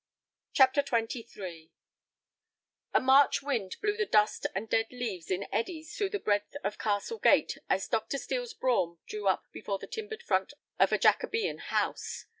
CHAPTER XXIII A March wind blew the dust and dead leaves in eddies through the breadth of Castle Gate as Dr. Steel's brougham drew up before the timbered front of a Jacobean house.